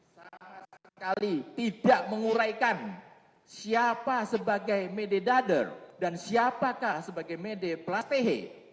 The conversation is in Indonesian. sama sekali tidak menguraikan siapa sebagai medi dada dan siapakah sebagai mediplastik